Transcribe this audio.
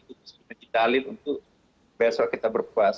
itu harus menjadi dalil untuk besok kita berpuas